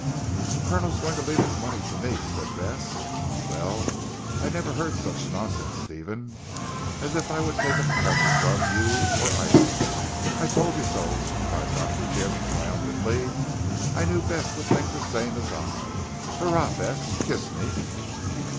"The Colonel going to leave his money to me," cried Bess, "well I never heard such nonsense Stephen. As if I would take a penny from you, or Ida." "I told you so," cried Dr. Jim triumphantly, "I knew Bess would think the same as I. Hurrah! Bess, kiss me."